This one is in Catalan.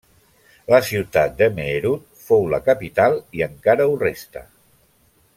La ciutat de Meerut fou la capital i encara ho resta.